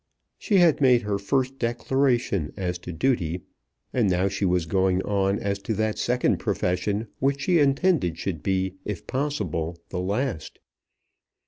She had made her first declaration as to duty, and now she was going on as to that second profession which she intended should be, if possible, the last.